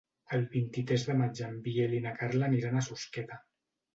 El vint-i-tres de maig en Biel i na Carla aniran a Susqueda.